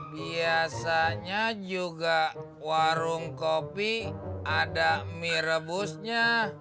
biasanya juga warung kopi ada mie rebusnya